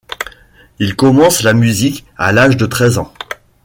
Il commence la musique à l'âge de treize ans.